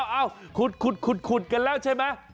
เอ้าขุดกันแล้วใช่ไหม